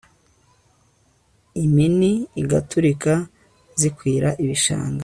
Impini igaturika zikwira ibishanga